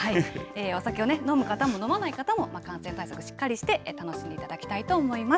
お酒を飲む方も飲まない方も、感染対策しっかりして楽しんでいただきたいと思います。